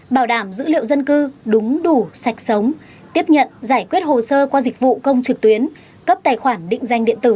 bảo đảm dữ liệu dân cư đúng đủ sạch sống tiếp nhận giải quyết hồ sơ qua dịch vụ công trực tuyến cấp tài khoản định danh điện tử